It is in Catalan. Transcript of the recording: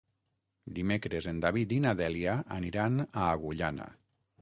Dimecres en David i na Dèlia aniran a Agullana.